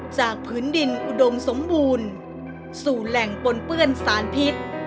จากพื้นดินอุดมสมบูรณ์สู่แหล่งปนเปื้อนสารพิษ